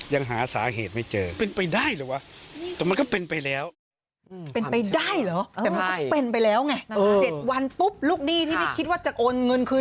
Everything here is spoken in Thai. ยังหาสาเหตุไม่เจอ